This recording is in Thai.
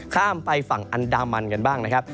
ข้ามไปฝั่งอันดามันกันบ้างนะครับ